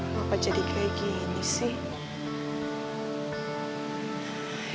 kenapa jadi kayak gini sih